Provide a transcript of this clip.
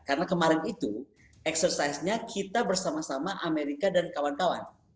karena kemarin itu eksersisnya kita bersama sama amerika dan kawan kawan